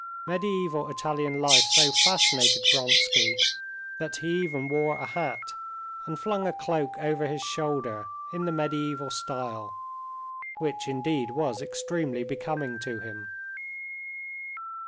Mediæval Italian life so fascinated Vronsky that he even wore a hat and flung a cloak over his shoulder in the mediæval style, which, indeed, was extremely becoming to him.